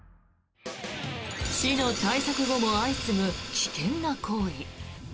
市の対策後も相次ぐ危険な行為。